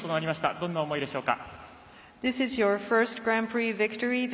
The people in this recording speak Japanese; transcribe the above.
どんな思いでしょうか。